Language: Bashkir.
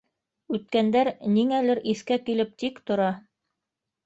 Үткәндәр ниңәлер иҫкә килеп тик тора.